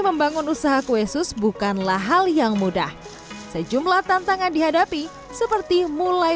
membangun usaha kue sus bukanlah hal yang mudah sejumlah tantangan dihadapi seperti mulai